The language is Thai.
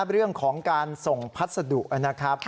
เรื่องของการส่งพัสดุนะครับ